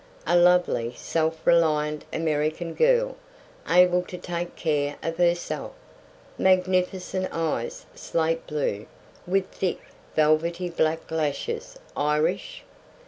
A lovely, self reliant American girl, able to take care of herself. Magnificent eyes slate blue, with thick, velvety black lashes. Irish.